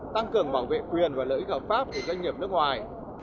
tăng cường bảo vệ quyền và lợi ích hợp pháp của doanh nghiệp nước ngoài